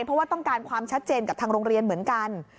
เพราะว่าต้องการความชัดเจนกับทางโรงเรียนเหมือนกัน